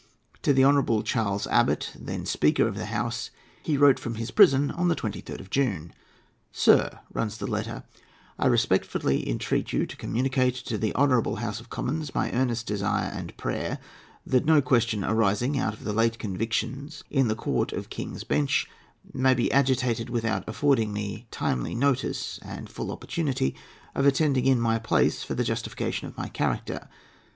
To the Hon. Charles Abbot, then Speaker of the House, he wrote from his prison on the 23rd of June. "Sir," runs the letter, "I respectfully entreat you to communicate to the Honourable House of Commons my earnest desire and prayer that no question arising out of the late convictions in the Court of King's Bench may be agitated without affording me timely notice and full opportunity of attending in my place for the justification of my character.